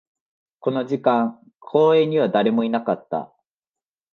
この時間、公園には誰もいなかった